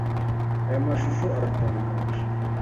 Aya mashusho aratangaje.